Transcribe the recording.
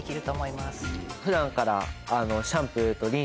普段から。